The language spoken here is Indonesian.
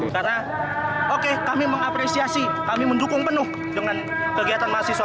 karena kami mengapresiasi kami mendukung penuh dengan kegiatan mahasiswa